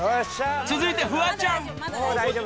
続いてフワちゃん。